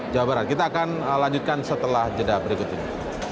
jawabannya kita akan lanjutkan setelah jeda berikut ini